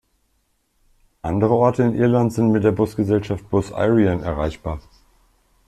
Andere Orte in Irland sind mit der Busgesellschaft Bus Éireann erreichbar.